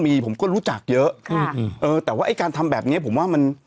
มีผมก็รู้จักเยอะค่ะอืมเออแต่ว่าไอ้การทำแบบเนี้ยผมว่ามัน